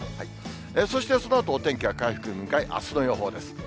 そして、そのあとお天気は回復に向かい、あすの予報です。